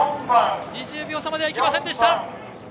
２０秒差までは行きませんでした。